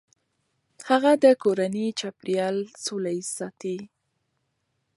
هغې د کورني چاپیریال سوله ایز ساتي.